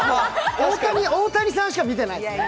大谷さんしか見てないですね。